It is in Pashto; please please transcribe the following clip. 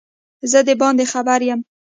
زه دباندي خبر یم